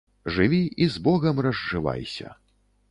Жыві і з Богам разжывайся